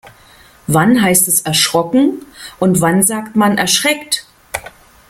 Wann heißt es erschrocken und wann sagt man erschreckt?